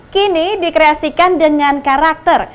kini dikreasikan dengan karakter